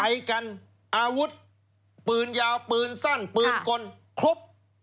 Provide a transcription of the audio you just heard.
กันอาวุธปืนยาวปืนสั้นปืนกลครบ